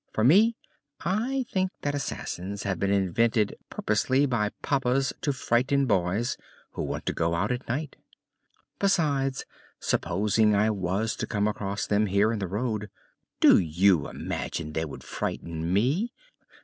For me, I think that assassins have been invented purposely by papas to frighten boys who want to go out at night. Besides, supposing I was to come across them here in the road, do you imagine they would frighten me?